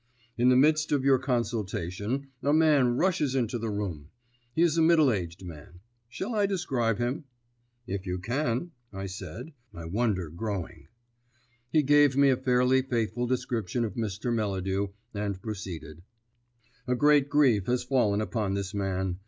In the midst of your consultation a man rushes into the room. He is a middle aged man. Shall I describe him?" "If you can," I said, my wonder growing. He gave me a fairly faithful description of Mr. Melladew, and proceeded: "A great grief has fallen upon this man.